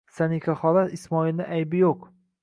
Sanixahola, Ismoilning aybi yo'q.